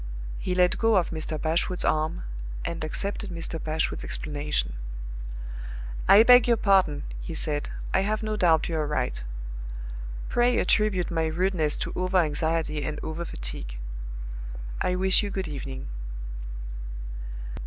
He let go of Mr. Bashwood's arm, and accepted Mr. Bashwood's explanation. "I beg your pardon," he said; "I have no doubt you are right. Pray attribute my rudeness to over anxiety and over fatigue. I wish you good evening."